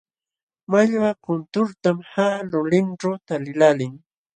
Mallwa kunturtam qaqa lulinćhu taliqlaalii.